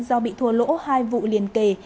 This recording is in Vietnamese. do bị thua lỗ hai vụ liền kề